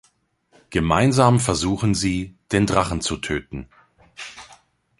Gemeinsam versuchen sie, den Drachen zu töten.